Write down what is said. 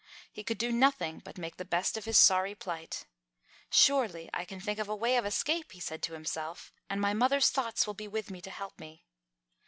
He could do nothing but make the best of his sorry plight. "Surely I can think of a way of escape," he said to himself, "and my mother's thoughts will be with me to help me."